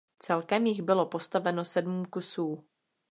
Celkem jich bylo postaveno sedm kusů.